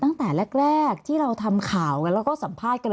ตั้งแต่แรกที่เราทำข่าวกันแล้วก็สัมภาษณ์กัน